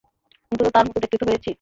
অন্তত তার মত দেখতে তো হয়েছি?